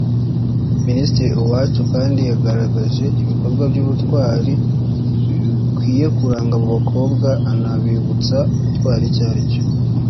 Minisitiri Uwacu kandi yagaragaje ibikorwa by’ubutwari bikwiye kuranga abo bakobwa anabibutsa intwari icyo ari cyo